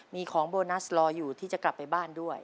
มีของโบนัสรออยู่ที่จะกลับไปบ้านด้วย